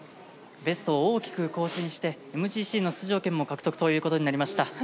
ベストを大きく更新してＭＧＣの出場権も獲得ということになりました。